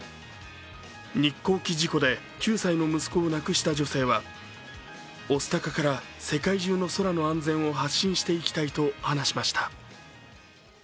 日航機事故で９歳の息子を亡くした女性は、御巣鷹から世界中の空の安全を発信していきたいと話しました。